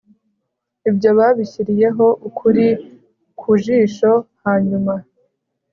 Ibyo babishyiriyeho ukuri ku jisho hanyuma